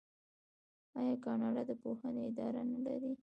آیا کاناډا د پوهنې اداره نلري؟